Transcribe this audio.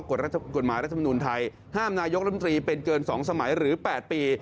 กฎหมายรัฐมนุนไทยห้ามนายกรมตรีเป็นเกิน๒สมัยหรือ๘ปี